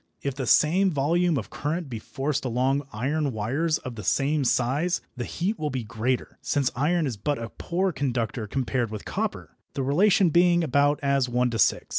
If the same volume of current be forced along iron wires of the same size, the heat will be greater, since iron is but a poor conductor compared with copper, the relation being about as one to six.